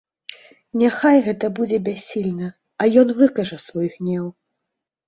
Няхай гэта будзе бяссільна, а ён выкажа свой гнеў.